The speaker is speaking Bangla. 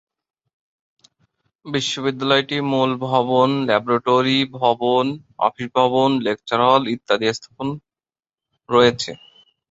বিশ্ববিদ্যালয়টিতে মূল ভবন, ল্যাবরেটরি ভবন, অফিস ভবন, লেকচার হল ইত্যাদি স্থাপনা রয়েছে।